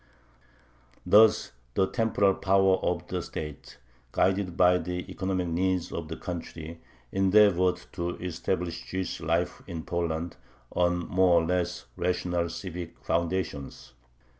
Thus the temporal powers of the state, guided by the economic needs of the country, endeavored to establish Jewish life in Poland on more or less rational civic foundations.